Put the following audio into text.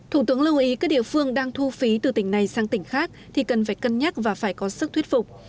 thủ tướng lưu ý các địa phương đang thu phí từ tỉnh này sang tỉnh khác thì cần phải cân nhắc và phải có sức thuyết phục